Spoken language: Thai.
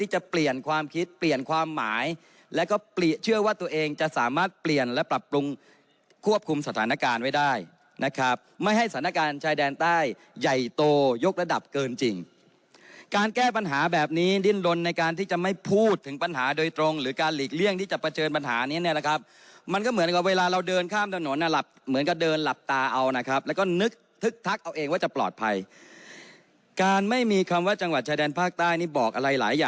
ไหร่และก็เชื่อว่าตัวเองจะสามารถเปลี่ยนและปรับปรุงควบคุมสถานการณ์ไว้ได้นะครับไม่ให้สถานการณ์ชายแดนใต้ใหญ่โตยกระดับเกินจริงการแก้ปัญหาแบบนี้ดิ้นลนในการที่จะไม่พูดถึงปัญหาโดยตรงหรือการหลีกเลี่ยงที่จะเจอปัญหานี้นะครับมันก็เหมือนกับเวลาเราเดินข้ามถนนอ่ะหลับเหมือนกับเดินหล